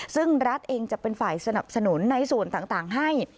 ซึ่งรัฐเองจะเป็นฝ่ายสนับสนุนในส่วนต่างให้